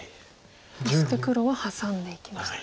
そして黒はハサんでいきましたね。